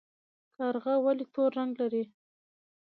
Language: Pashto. کارغه ولې تور رنګ لري؟